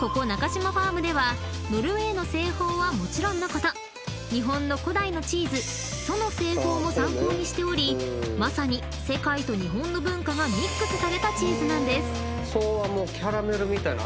ナカシマファームではノルウェーの製法はもちろんのこと日本の古代のチーズ蘇の製法も参考にしておりまさに世界と日本の文化がミックスされたチーズなんです］